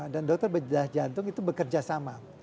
dan dokter jantung itu bekerja sama